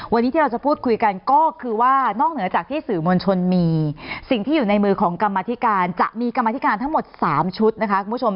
วันนี้ที่เราจะพูดคุยกันก็คือว่านอกเหนือจากที่สื่อมวลชนมีสิ่งที่อยู่ในมือของกรรมธิการจะมีกรรมธิการทั้งหมด๓ชุดนะคะคุณผู้ชม